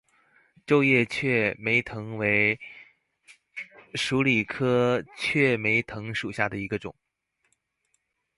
皱叶雀梅藤为鼠李科雀梅藤属下的一个种。